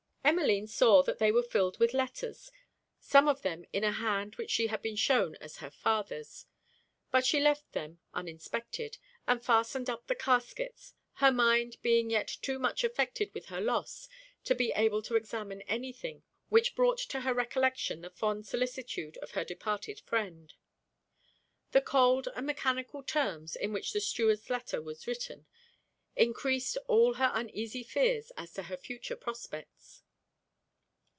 Emmeline saw that they were filled with letters: some of them in a hand which she had been shewn as her father's. But she left them uninspected, and fastened up the caskets; her mind being yet too much affected with her loss to be able to examine any thing which brought to her recollection the fond solicitude of her departed friend. The cold and mechanical terms in which the steward's letter was written, encreased all her uneasy fears as to her future prospects.